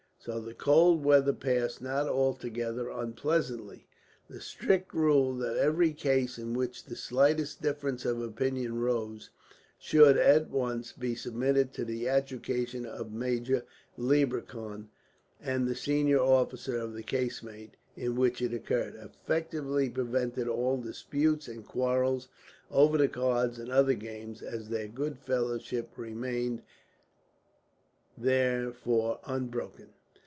So the cold weather passed not altogether unpleasantly. The strict rule that every case in which the slightest difference of opinion arose should, at once, be submitted to the adjudication of Major Leiberkuhn and the senior officer of the casemate in which it occurred, effectually prevented all disputes and quarrels over the cards and other games; and their good fellowship remained, therefore, unbroken.